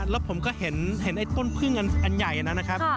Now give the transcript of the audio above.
แล้วผมก็เห็นไอ้ต้นพึ่งอันใหญ่อันนั้นนะครับ